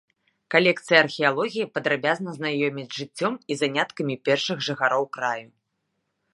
Калекцыя археалогіі падрабязна знаёміць з жыццём і заняткамі першых жыхароў краю.